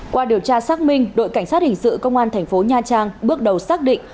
qua điều tra xác minh đội cảnh sát hình sự công an thành phố nha trang bước đầu xác định